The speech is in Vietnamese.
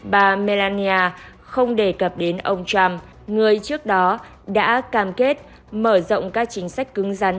bà melania không đề cập đến ông trump người trước đó đã cam kết mở rộng các chính sách cứng rắn